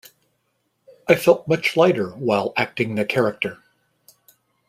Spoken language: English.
I felt much lighter while acting the character.